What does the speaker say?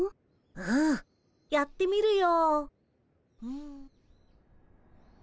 うんやってみるよ。